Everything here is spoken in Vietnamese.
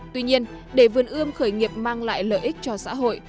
tuy nhiên để vườn ươm khởi nghiệp mang lại lợi ích cho xã hội